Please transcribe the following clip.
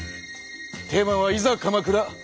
テーマは「いざ鎌倉」。